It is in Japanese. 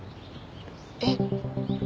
えっ？